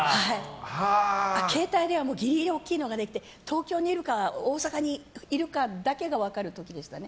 携帯電話もギリギリ大きいのが出て東京にいるか大阪にいるかだけが分かる時でしたね。